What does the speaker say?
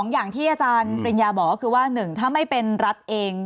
อย่างที่อาจารย์ปริญญาบอกก็คือว่า๑ถ้าไม่เป็นรัฐเอง